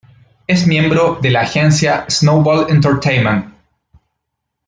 Es miembro de la agencia "Snowball Entertainment".